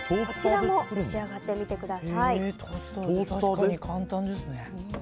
こちらも召し上がってみてください。